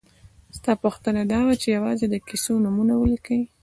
ستا پوښتنه دا وه چې یوازې د کیسو نومونه ولیکئ.